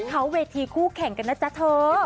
เขาเวทีคู่แข่งกันนะจ๊ะเธอ